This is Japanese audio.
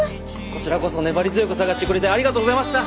こちらこそ粘り強く探してくれてありがとうございました。